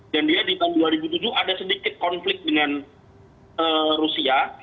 dan dia di tahun dua ribu tujuh ada sedikit konflik dengan rusia